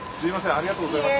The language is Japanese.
ありがとうございます。